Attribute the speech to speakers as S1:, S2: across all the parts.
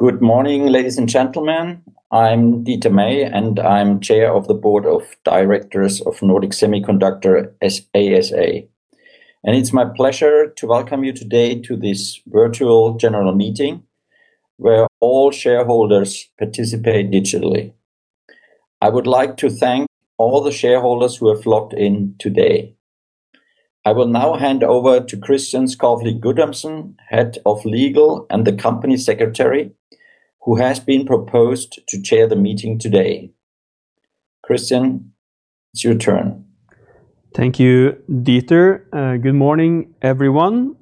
S1: Good morning, ladies and gentlemen. I'm Dieter May, and I'm Chair of the Board of Directors of Nordic Semiconductor ASA. It's my pleasure to welcome you today to this virtual general meeting where all shareholders participate digitally. I would like to thank all the shareholders who have logged in today. I will now hand over to Christian Skovly-Guttormsen, Head of Legal and the Company Secretary, who has been proposed to chair the meeting today. Christian, it's your turn.
S2: Thank you, Dieter. Good morning, everyone.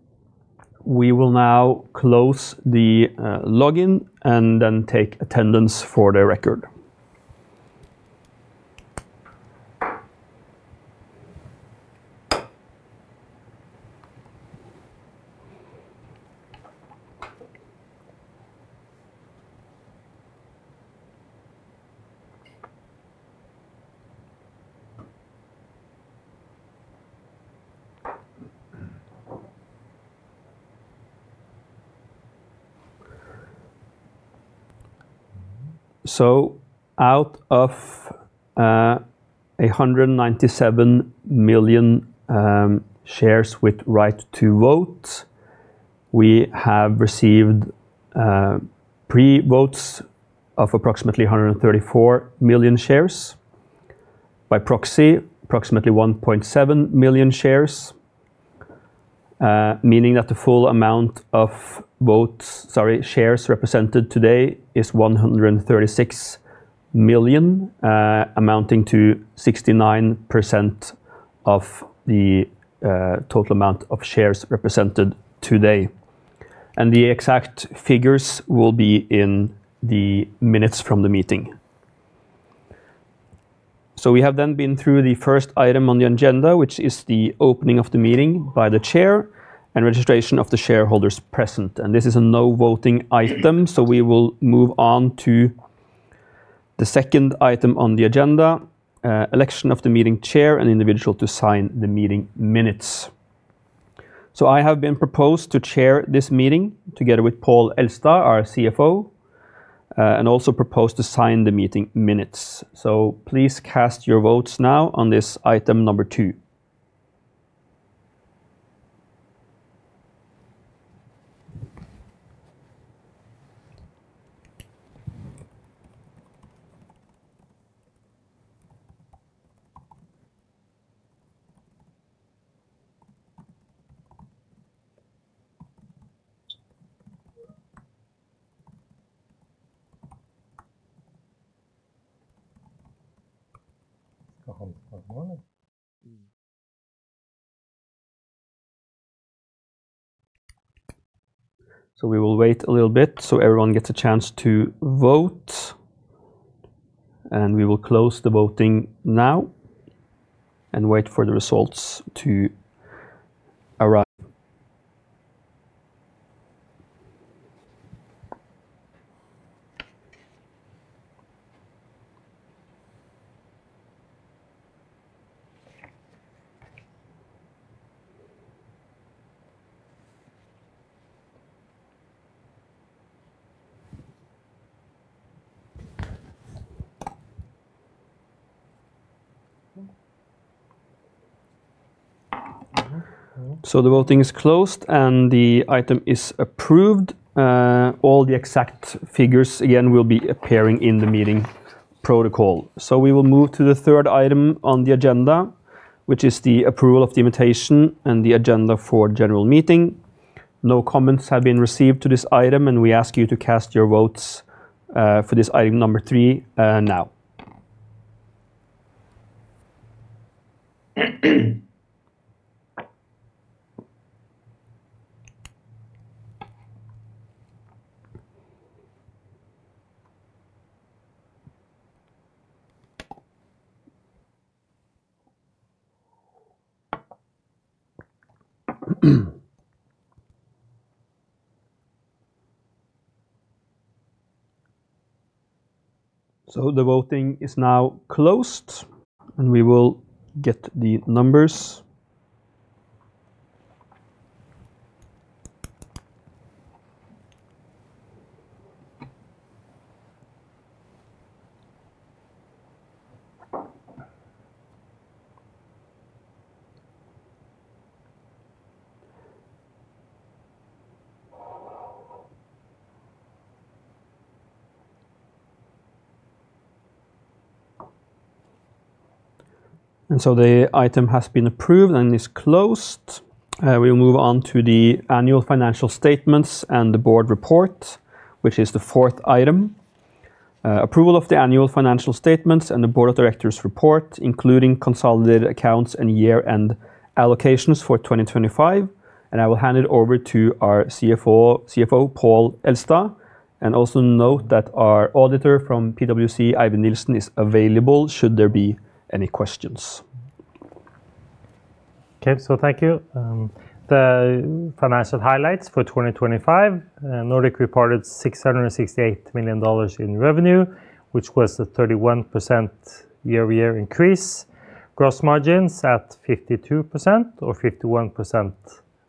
S2: We will now close the login and then take attendance for the record. Out of 197 million shares with right to vote, we have received pre-votes of approximately 134 million shares. By proxy, approximately 1.7 million shares, meaning that the shares represented today is 136 million, amounting to 69% of the total amount of shares represented today. The exact figures will be in the minutes from the meeting. We have then been through the first item on the agenda, which is the opening of the meeting by the chair and registration of the shareholders present. This is a no-voting item, so we will move on to the second item on the agenda, election of the meeting chair and individual to sign the meeting minutes. I have been proposed to chair this meeting together with Pål Elstad, our CFO, and also proposed to sign the meeting minutes. Please cast your votes now on this item number two. We will wait a little bit so everyone gets a chance to vote, and we will close the voting now and wait for the results to arrive. The voting is closed, and the item is approved. All the exact figures, again, will be appearing in the meeting protocol. We will move to the third item on the agenda, which is the approval of the invitation and the agenda for general meeting. No comments have been received to this item, and we ask you to cast your votes for this item number three now. The voting is now closed, and we will get the numbers. The item has been approved and is closed. We'll move on to the annual financial statements and the board report, which is the fourth item. Approval of the annual financial statements and the board of directors report, including consolidated accounts and year-end allocations for 2025. I will hand it over to our CFO, Pål Elstad. Also note that our auditor from PwC, Eivind Nilsen, is available should there be any questions.
S3: Thank you. The financial highlights for 2025, Nordic reported $668 million in revenue, which was a 31% year-over-year increase. Gross margins at 52% or 51%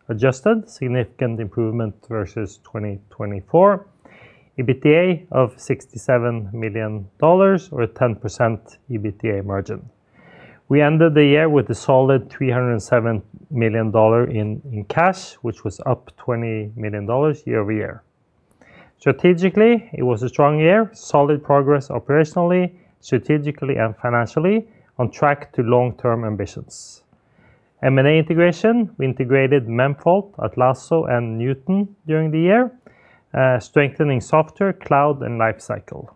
S3: adjusted. Significant improvement versus 2024. EBITDA of $67 million or a 10% EBITDA margin. We ended the year with a solid $307 million in cash, which was up $20 million year over year. Strategically, it was a strong year, solid progress operationally, strategically, and financially on track to long-term ambitions. M&A integration, we integrated Memfault, Atlazo and Neuton during the year, strengthening software, cloud and lifecycle.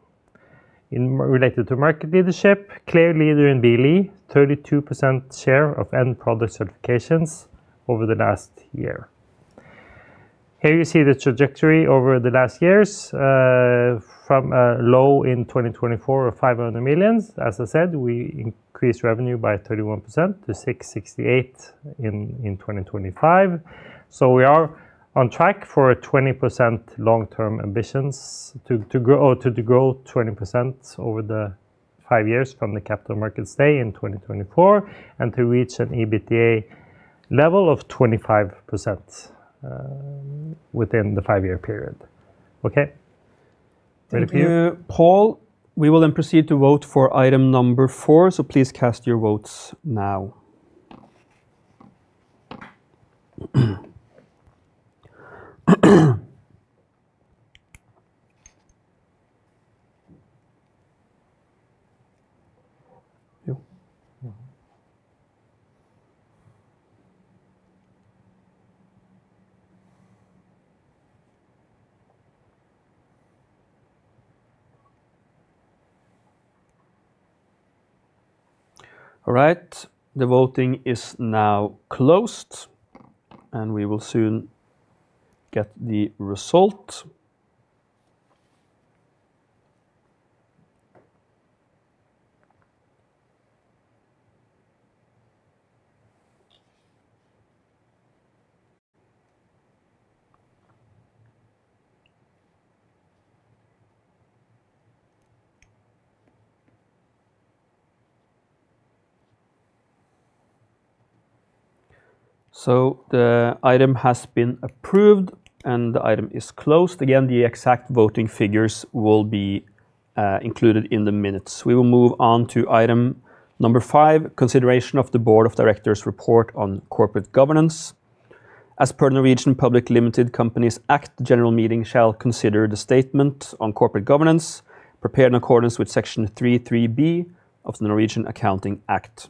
S3: Related to market leadership, clear leader in BLE, 32% share of end product certifications over the last year. Here you see the trajectory over the last years, from a low in 2024 of $500 million. As I said, we increased revenue by 31% to $668 million in 2025. We are on track for a 20% long-term ambition to grow 20% over the five years from the Capital Markets Day in 2024 and to reach an EBITDA level of 25% within the 5-year period. Okay. Thank you.
S2: Thank you, Pål. We will then proceed to vote for item number four, so please cast your votes now. All right. The voting is now closed, and we will soon get the result. The item has been approved, and the item is closed. Again, the exact voting figures will be included in the minutes. We will move on to item number five, consideration of the board of directors report on corporate governance. As per Norwegian Public Limited Companies Act, the general meeting shall consider the statement on corporate governance prepared in accordance with Section 3-3 B of the Norwegian Accounting Act.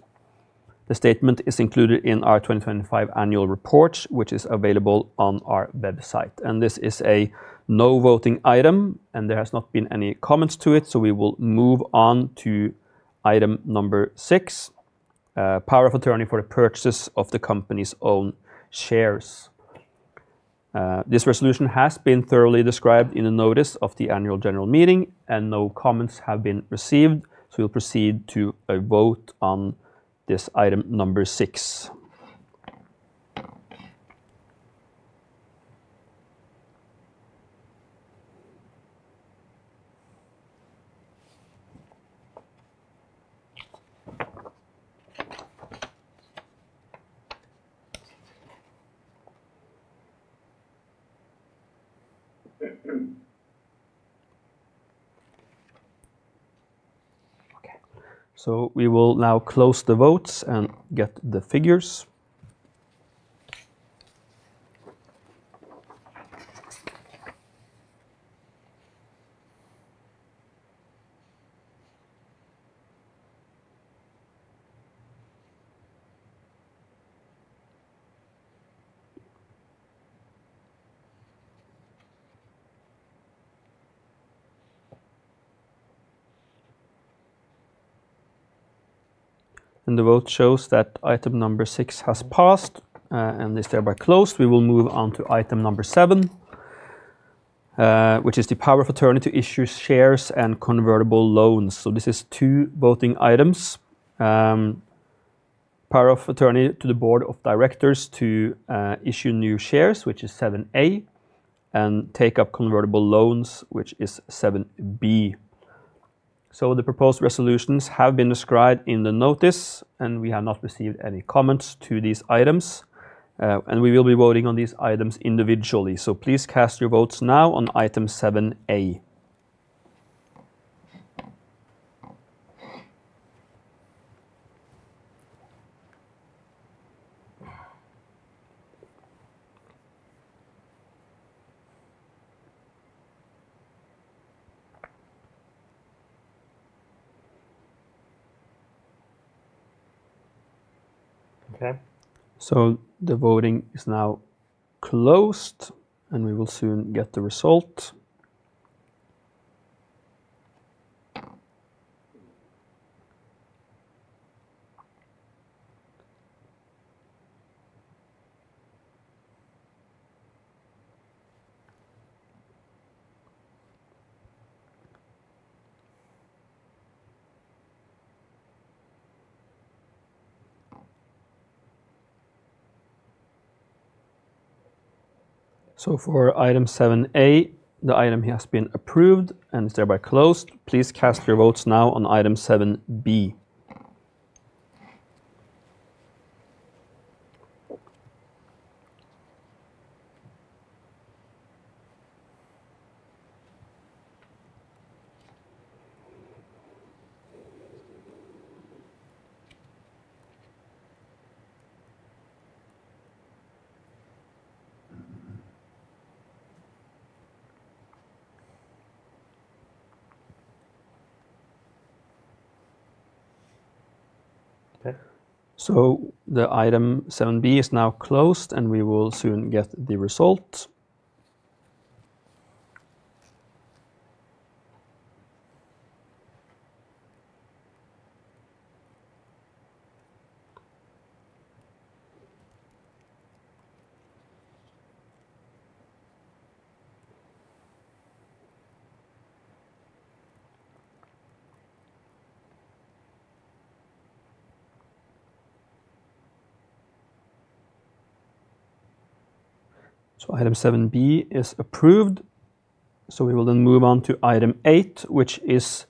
S2: The statement is included in our 2025 annual report, which is available on our website. This is a non-voting item, and there has not been any comments to it, so we will move on to item number six, power of attorney for the purchase of the company's own shares. This resolution has been thoroughly described in the notice of the annual general meeting and no comments have been received, so we'll proceed to a vote on this item number six. Okay. We will now close the votes and get the figures. The vote shows that item number six has passed, and is thereby closed. We will move on to item number seven, which is the power of attorney to issue shares and convertible loans. This is two voting items. Power of attorney to the board of directors to issue new shares, which is 7A, and take up convertible loans, which is 7B. The proposed resolutions have been described in the notice, and we have not received any comments to these items. We will be voting on these items individually. Please cast your votes now on item 7A. Okay. The voting is now closed, and we will soon get the result. For item 7A, the item has been approved and is thereby closed. Please cast your votes now on item 7B. Okay. The item 7B is now closed, and we will soon get the result. Item 7B is approved. We will move on to item eight, which is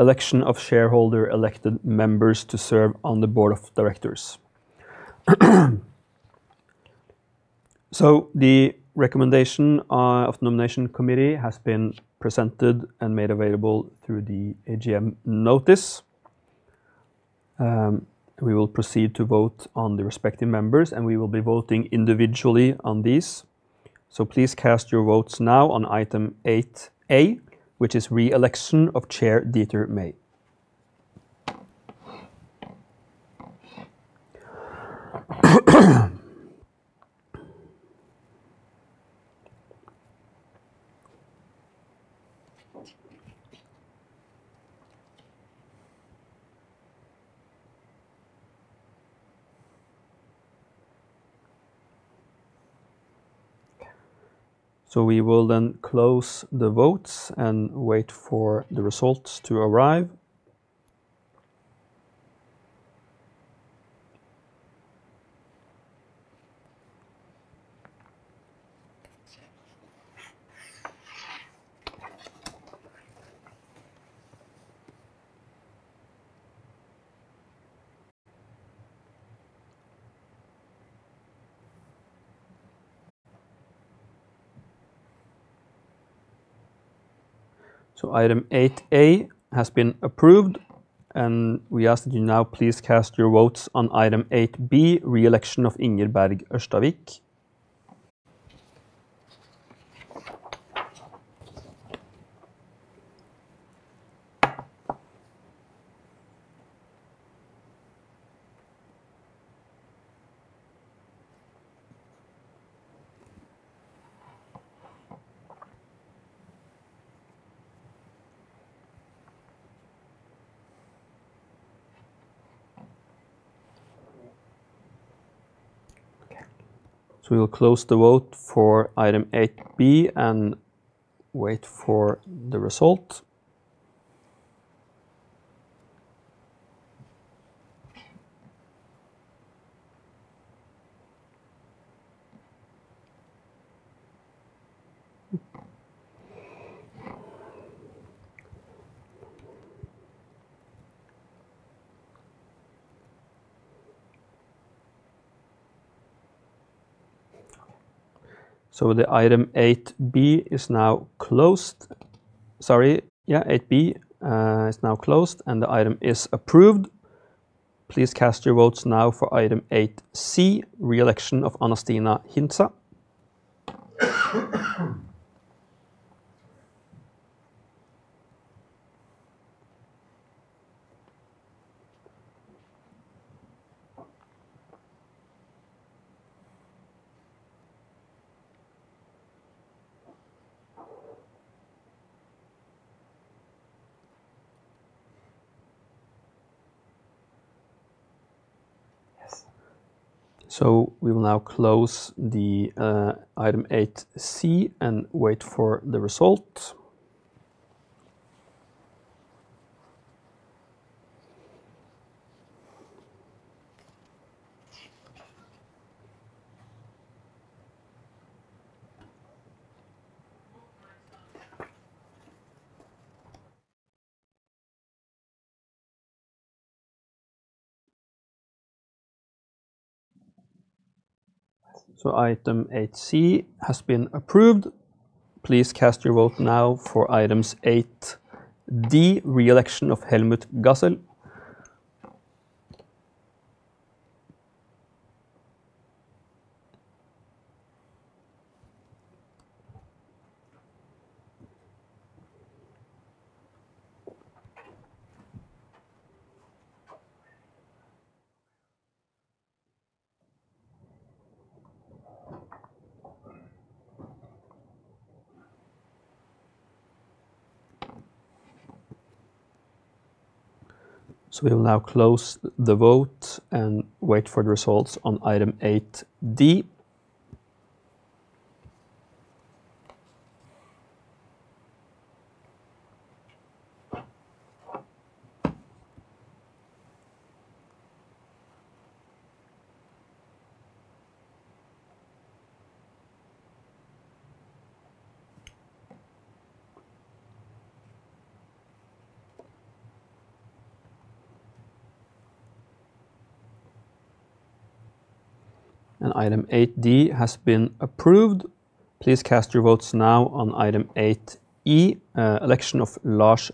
S2: election of shareholder elected members to serve on the board of directors. The recommendation of Nomination Committee has been presented and made available through the AGM notice. We will proceed to vote on the respective members, and we will be voting individually on these. Please cast your votes now on item 8A, which is re-election of Chair Dieter May. We will then close the votes and wait for the results to arrive. Item 8A has been approved, and we ask that you now please cast your votes on item 8B, re-election of Inger Berg Ørstavik. Okay. We will close the vote for item 8B and wait for the result. The item 8B is now closed, and the item is approved. Please cast your votes now for item 8C, re-election of Annastiina Hintsa. Yes. We will now close the item 8C and wait for the result. Item 8C has been approved. Please cast your vote now for item 8D, re-election of Helmut Gassel. We will now close the vote and wait for the results on item 8D. Item 8D has been approved. Please cast your votes now on item 8E, election of Lars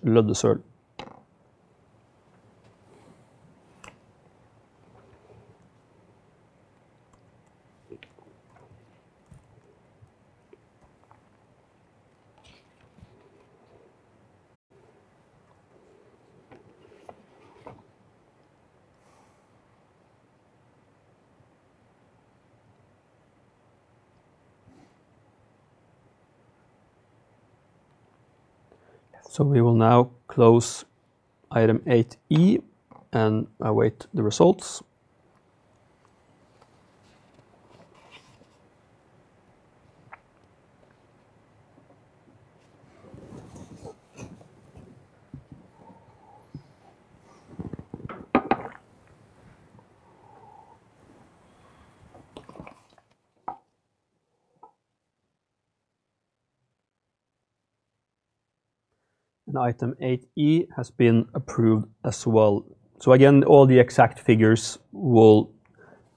S2: Løddesøl. We will now close item 8E and await the results. Item 8E has been approved as well. Again, all the exact figures will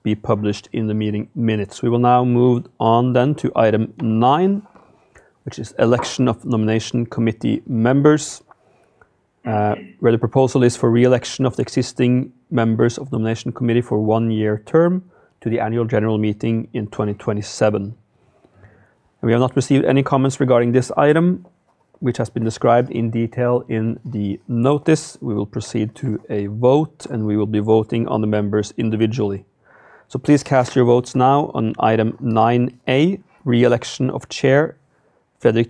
S2: be published in the meeting minutes. We will now move on then to item nine, which is election of nomination committee members, where the proposal is for re-election of the existing members of the nomination committee for one-year term to the annual general meeting in 2027. We have not received any comments regarding this item, which has been described in detail in the notice. We will proceed to a vote, and we will be voting on the members individually. Please cast your votes now on item 9A, re-election of Chair Fredrik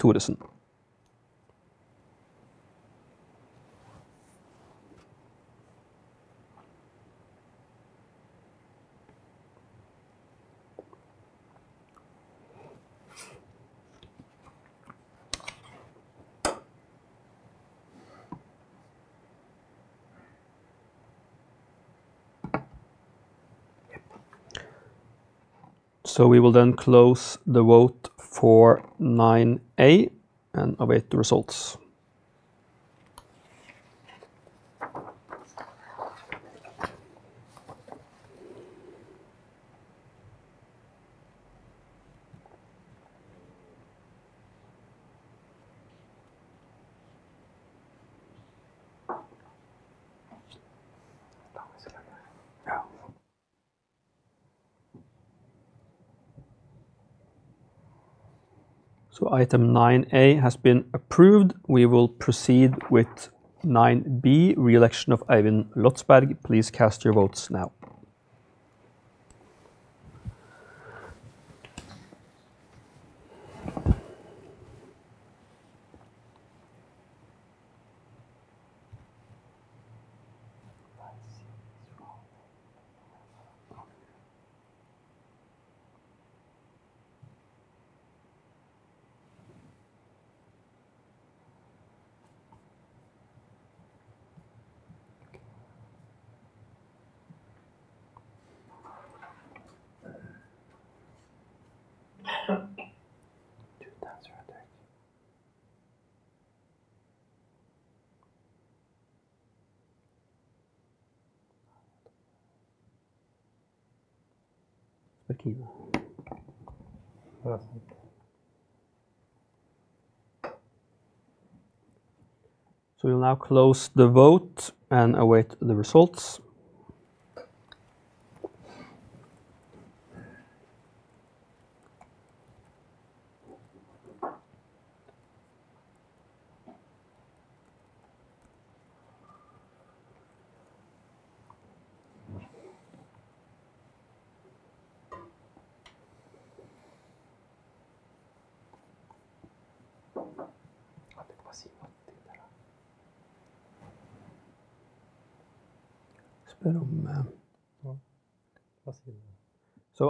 S2: Thoresen. We will then close the vote for 9A and await the results. Item 9A has been approved. We will proceed with 9B, re-election of Eivind Lotsberg. Please cast your votes now. We will now close the vote and await the results.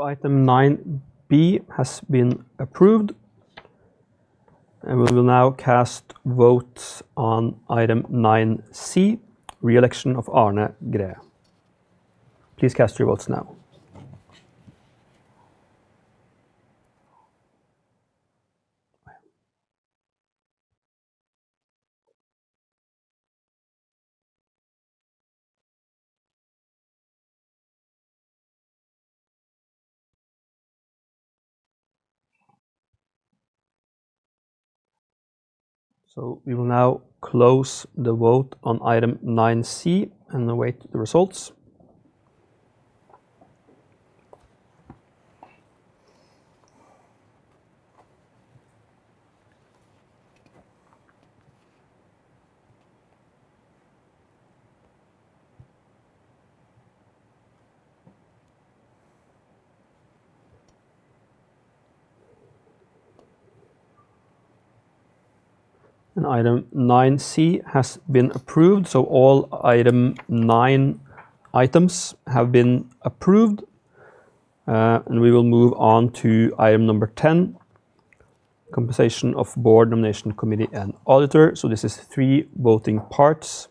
S2: Item 9B has been approved, and we will now cast votes on item 9C, re-election of Arne Græe. Please cast your votes now. We will now close the vote on item 9C and await the results. Item 9C has been approved, so all nine items have been approved. We will move on to item number 10. Compensation of board nomination committee and auditor. This is three voting parts.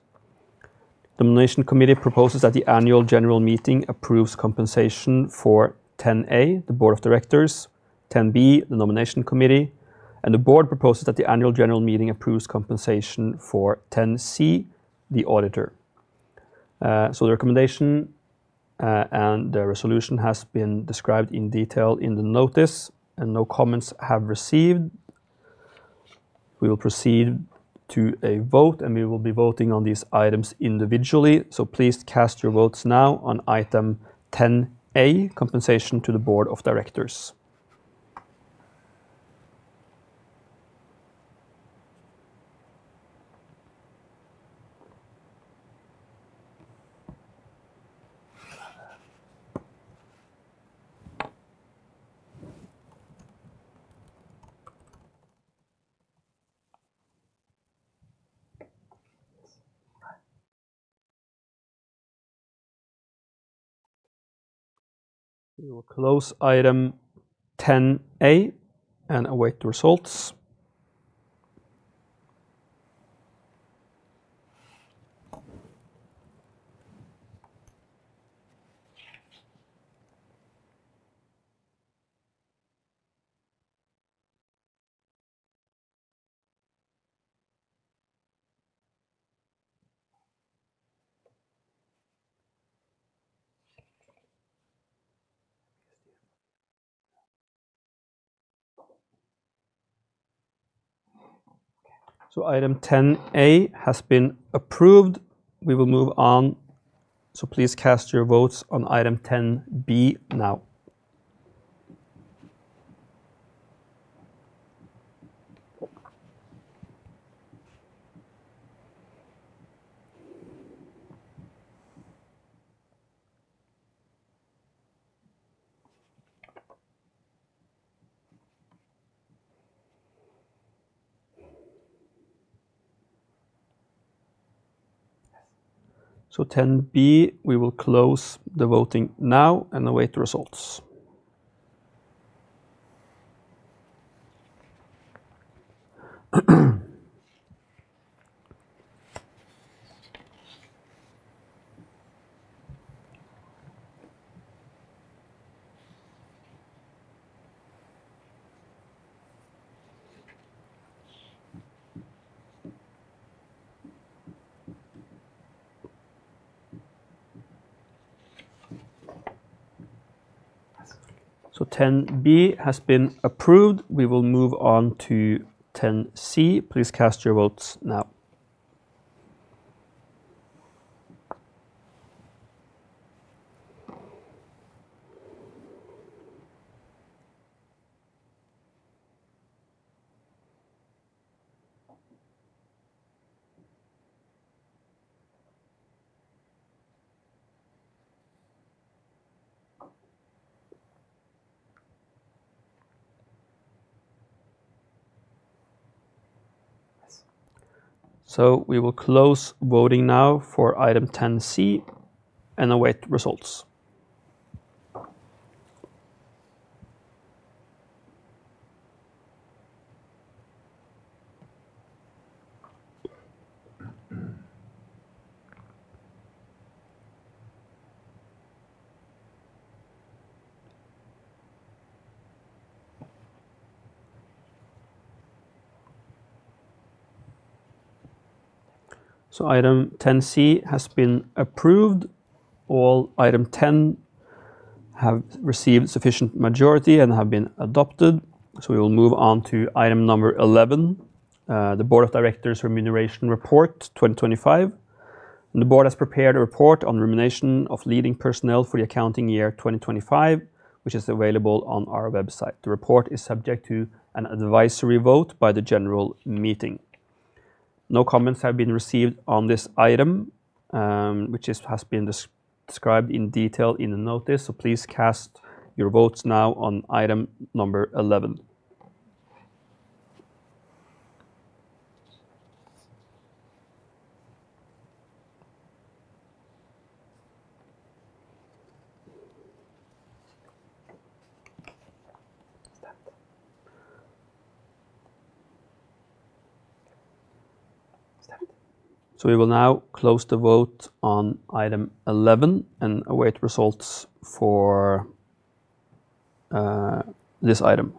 S2: The nomination committee proposes that the annual general meeting approves compensation for 10A, the board of directors, 10B, the nomination committee, and the board proposes that the annual general meeting approves compensation for 10C, the auditor. The recommendation and the resolution has been described in detail in the notice, and no comments have been received. We will proceed to a vote, and we will be voting on these items individually. Please cast your votes now on item 10A, compensation to the board of directors. We will close item 10A and await the results. Item 10A has been approved. We will move on, so please cast your votes on item 10B now. 10B, we will close the voting now and await the results. 10B has been approved. We will move on to 10C. Please cast your votes now. We will close voting now for item 10C and await results. Item 10C has been approved. All item 10 have received sufficient majority and have been adopted. We will move on to item number 11. The Board of Directors Remuneration Report 2025. The Board has prepared a report on remuneration of leading personnel for the accounting year 2025, which is available on our website. The report is subject to an advisory vote by the general meeting. No comments have been received on this item, which has been described in detail in the notice. Please cast your votes now on item number 11. We will now close the vote on item 11 and await results for this item.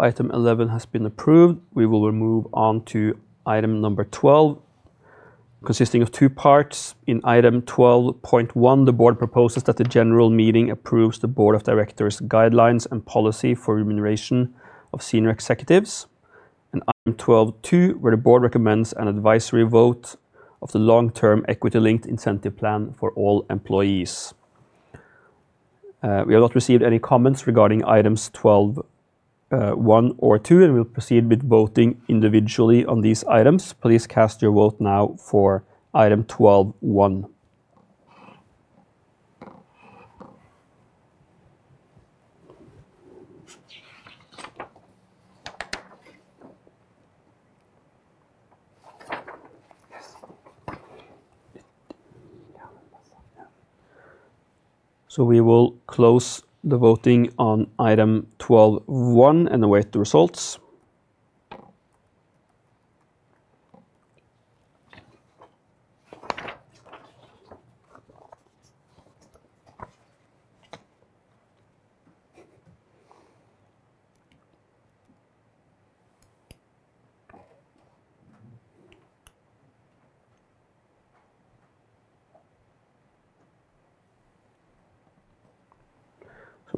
S2: Item 11 has been approved. We will move on to item number 12, consisting of two parts. In item 12.1, the Board proposes that the General Meeting approves the Board of Directors guidelines and policy for remuneration of senior executives. In item 12.2, the Board recommends an advisory vote on the long-term equity-linked incentive plan for all employees. We have not received any comments regarding items 12.1 or 12.2, and we'll proceed with voting individually on these items. Please cast your vote now for item 12.1. We will close the voting on item 12.1 and await the results.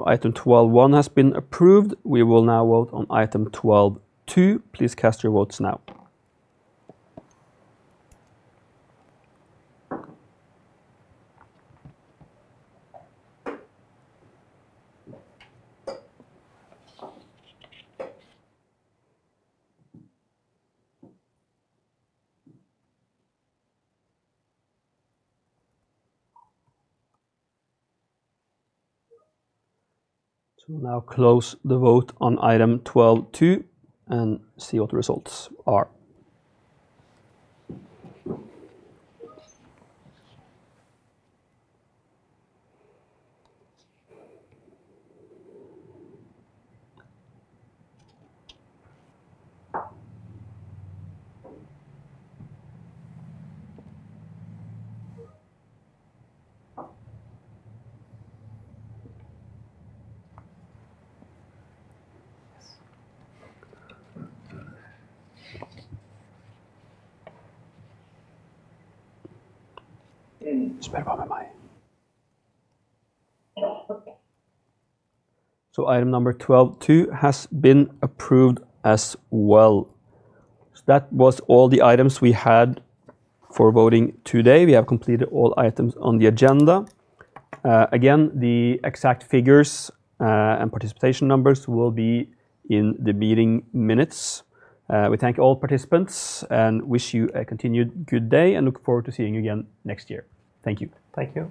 S2: Item 12.1 has been approved. We will now vote on item 12.2. Please cast your votes now. We'll now close the vote on item 12.2 and see what the results are. Item number 12.2 has been approved as well. That was all the items we had for voting today. We have completed all items on the agenda. Again, the exact figures and participation numbers will be in the meeting minutes. We thank all participants and wish you a continued good day, and look forward to seeing you again next year. Thank you.
S1: Thank you.